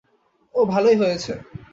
ও ভালোই হয়েছে।